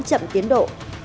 chậm tiến độ